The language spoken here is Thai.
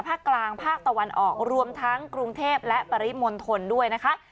ภาคกลางภาคตะวันออกรวมทั้งกรุงเทพและปริมณฑลด้วยนะคะ